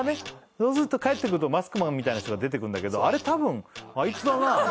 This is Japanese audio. そうすると帰ってくるとマスクマンみたいな人が出てくるんだけど「あれ多分あいつだな」。